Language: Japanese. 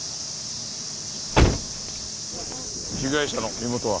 被害者の身元は？